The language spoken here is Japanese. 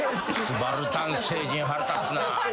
スバルタン星人腹立つな。